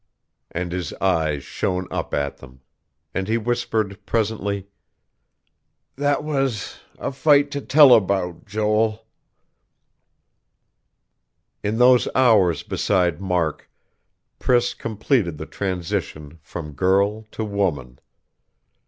And his eyes shone up at them; and he whispered presently: "That was a fight to tell about, Joel...." In those hours beside Mark, Priss completed the transition from girl to woman.